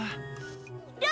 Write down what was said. bikin kamar mandi apa